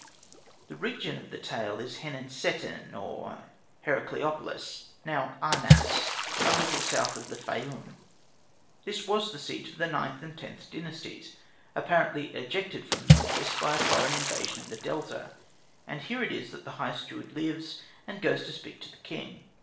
The region of the tale is Henenseten, or Herakleopolis, now Ahnas, a little south of the Fayum. This was the seat of the IXth and Xth Dynasties, apparently ejected from Memphis by a foreign invasion of the Delta; and here it is that the High Steward lives and goes to speak to the king.